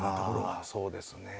ああそうですね。